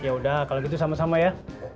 yaudah kalau gitu sama sama ya